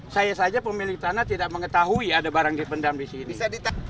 saya saja pemilik tanah tidak mengetahui ada barang dipendam di sini